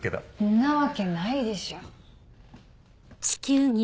んなわけないでしょ。